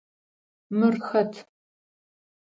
Мыр хэт?